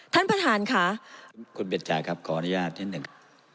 ท่านประธานค่ะคุณเบนจาครับขออนุญาตนิดหนึ่ง